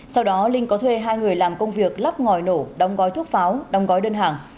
sau đó linh có thuê hai người làm công việc lắp ngòi nổ đóng gói thuốc pháo đóng gói đơn hàng